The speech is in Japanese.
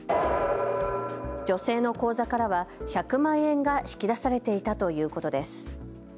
女性の口座からは１００万円が引き出されていたということです。